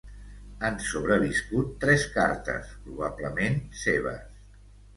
Han sobreviscut tres cartes probablement seves.